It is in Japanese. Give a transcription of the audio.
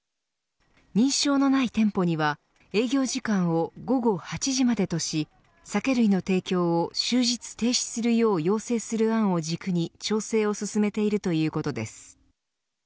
認証のない店舗には営業時間を午後８時までとし酒類の提供を終日停止するよう要請する案を軸に調整を進めているということです。